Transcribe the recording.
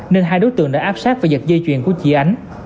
nên hai đối tượng đã áp sát và giật dây chuyền của chị ánh